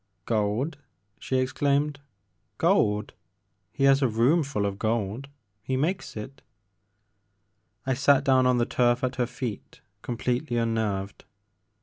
Gold !" she exclaimed, *' gold ! He has a room fiiU of gold ! He makes it. '' I sat down on the turf at her feet completely unnerved.